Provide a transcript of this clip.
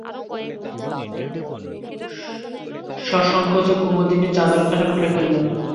সসংকোচে কুমুদিনী চাদরখানা খুলে ফেললে।